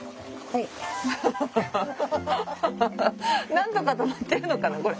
なんとかとまってるのかなこれ。